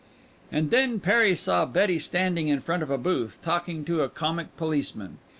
And then Perry saw Betty standing in front of a booth, talking to a comic policeman.